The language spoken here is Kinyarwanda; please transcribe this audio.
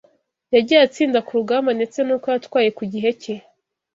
yagiye atsinda ku rugamba ndetse n’uko yatwaye ku gihe cye.”